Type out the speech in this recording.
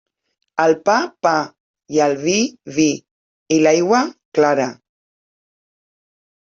Al pa, pa; i al vi, vi; i l'aigua, clara.